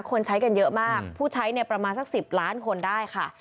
คนใช้กันเยอะมากผู้ใช้เนี่ยประมาณสัก๑๐ล้านคนได้ค่ะ